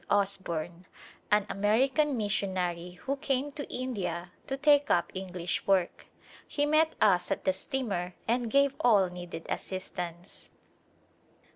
B. Osborne, an American missionary who came to India to take up English work. He met us at the steamer and gave all needed assistance.